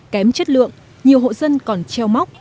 kém chất lượng nhiều hộ dân còn treo móc